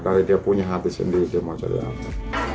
dari dia punya hati sendiri dia mau jadi apa